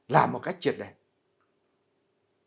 làm một cách triệt đẹp